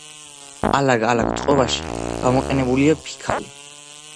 ალაგ-ალაგ წყობაში გამოყენებულია ფიქალი.